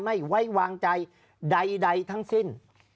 ไม่ไว้วางใจใดทั้งสิ้น